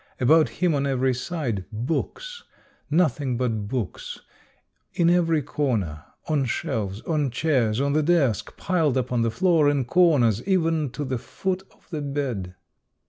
About him on every side, books, — noth ing but books ; in every corner, on shelves, on chairs, on the desk, piled upon the floor, in corners, even to the foot of the bed.